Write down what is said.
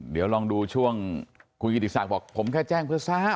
เดี๋ยวลองดูช่วงคุณกิติศักดิ์บอกผมแค่แจ้งเพื่อทราบ